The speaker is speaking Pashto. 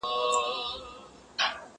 زه اجازه لرم چي خواړه ورکړم